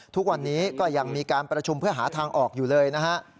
ทุกวันนี้ก็ยังมีการประชุมเพื่อหาทางออกอยู่เลยนะฮะ